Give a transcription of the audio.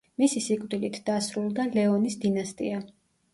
მისი სიკვდილით დასრულდა ლეონის დინასტია.